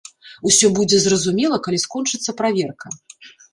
Усё будзе зразумела, калі скончыцца праверка.